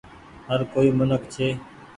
هر ڪوئي منک ڇي۔